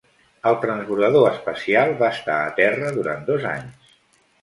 El transbordador espacial va estar a Terra durant dos anys.